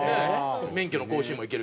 免許の更新も行ける。